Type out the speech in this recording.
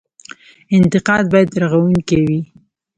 انتقاد باید رغونکی وي